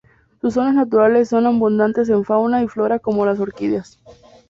Sus zonas naturales son abundantes en fauna y flora como las orquídeas.